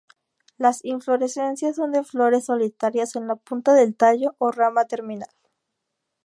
Las inflorescencias son de flores solitarias en la punta del tallo o rama terminal.